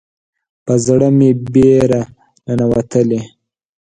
په زړه مې بیره ننوتلې